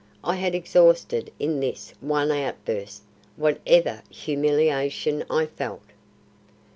I had exhausted in this one outburst whatever humiliation I felt."